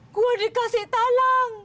gue dikasih talang